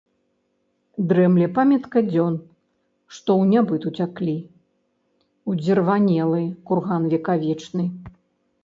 Дрэмле памятка дзен, што ў нябыт уцяклі, — ўдзірванелы курган векавечны.